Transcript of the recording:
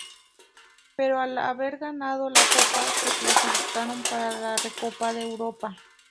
Pero al haber ganado la Copa, se clasificaron para la Recopa de Europa.